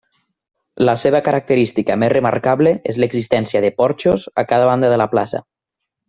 La seva característica més remarcable és l'existència de porxos a cada banda de la plaça.